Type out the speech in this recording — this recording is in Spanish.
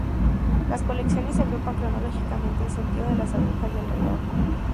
Las colecciones se agrupan cronológicamente en sentido de las agujas del reloj.